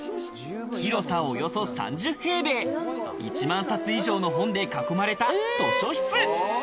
広さおよそ３０平米、１万冊以上の本で囲まれた図書室。